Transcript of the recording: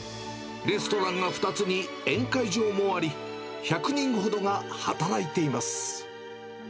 レストランが２つに宴会場もあり、１００人ほどが働いています。